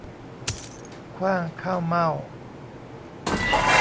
ขว้างข้าวเม่า